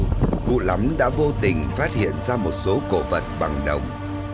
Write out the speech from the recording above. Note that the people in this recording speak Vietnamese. nguyễn văn lắm đã vô tình phát hiện ra một số cổ vật bằng đồng